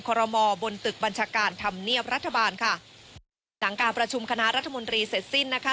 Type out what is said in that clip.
รมอบนตึกบัญชาการธรรมเนียบรัฐบาลค่ะหลังการประชุมคณะรัฐมนตรีเสร็จสิ้นนะคะ